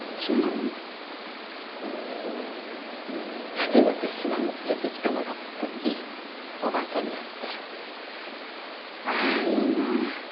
初めて島に連れてきてもらった時おばあちゃんに会ってああいいなあ。